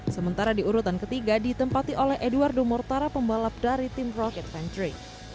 sementara di urutan ketiga ditempati oleh eduardo mortara pembalap dari tim rocket factory